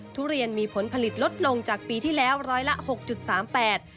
ทุเรียนมีผลผลิตลดลงจากปีที่แล้ว๖๓๘บาท